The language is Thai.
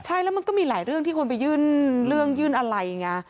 ใช่แล้วมันก็มีหลายเรื่องที่คนไปยื่นเรื่องยื่นอะไรไง